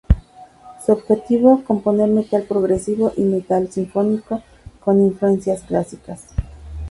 Su objetivo: componer Metal Progresivo y metal sinfónico con influencias clásicas.